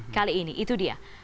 kali ini itu dia